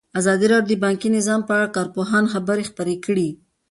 ازادي راډیو د بانکي نظام په اړه د کارپوهانو خبرې خپرې کړي.